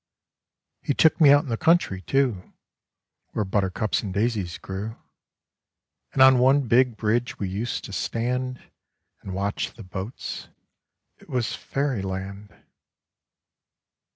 He took me out in the country, too, Where buttercups and daisies grew; And on one big bridge we used to stand And watch the boats — it was Fairyland.